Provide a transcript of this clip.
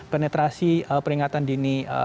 penetrasi peringatan dini